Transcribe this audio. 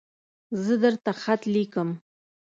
زه درته خط لیکم